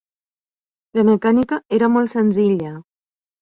La mecànica era molt senzilla.